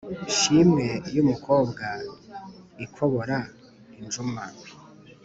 Nshimwe y’umukobwa ikobora injuma